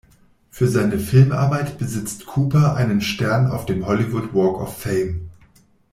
Für seine Filmarbeit besitzt Cooper einen Stern auf dem Hollywood Walk of Fame.